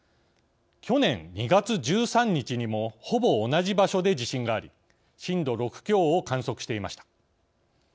去年２月１３日にもほぼ同じ場所で地震があり震度６強を観測していました。